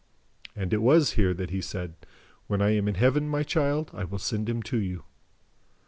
"And it was here that he said, 'When I am in Heaven, my child, I will send him to you.'